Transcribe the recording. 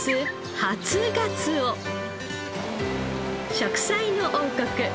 『食彩の王国』